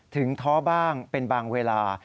ท้อบ้างเป็นบางเวลา